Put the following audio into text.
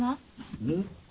うん？